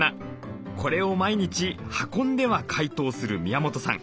これを毎日運んでは解凍する宮本さん。